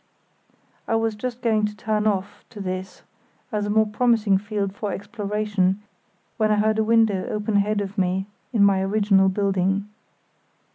I was just going to turn off to this as a more promising field for exploration, when I heard a window open ahead of me in my original building.